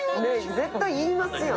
絶対言いますやん。